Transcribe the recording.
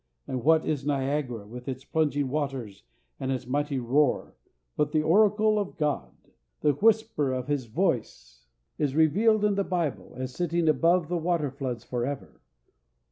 And what is Niagara, with its plunging waters and its mighty roar, but the oracle of God—the whisper of his voice is revealed in the Bible as sitting above the waterfloods forever!